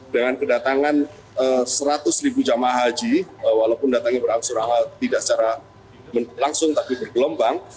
dengan kedatangan seratus ribu jemaah haji walaupun datangnya beraksurang tidak secara langsung tapi bergelombang